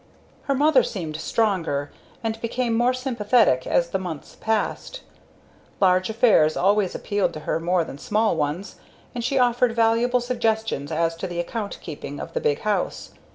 Her mother seemed stronger, and became more sympathetic as the months passed. Large affairs always appealed to her more than small ones, and she offered valuable suggestions as to the account keeping of the big house.